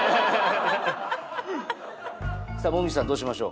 さあ紅葉さんどうしましょう？